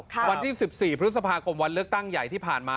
ครับวันที่สิบสี่พฤษภาคมวันเลือกตั้งใหญ่ที่ผ่านมา